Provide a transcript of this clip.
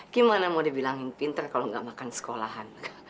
gimana mau dibilangin pinter kalau nggak makan sekolahan